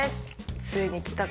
ついに来たか。